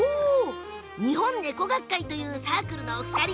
日本猫学会というサークルのお二人。